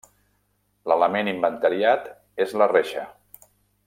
L'element inventariat és la reixa.